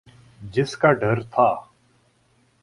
جس کا ڈر تھا۔